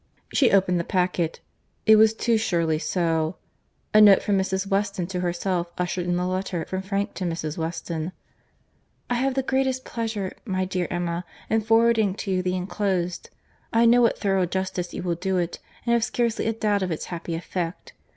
She opened the packet; it was too surely so;—a note from Mrs. Weston to herself, ushered in the letter from Frank to Mrs. Weston. "I have the greatest pleasure, my dear Emma, in forwarding to you the enclosed. I know what thorough justice you will do it, and have scarcely a doubt of its happy effect.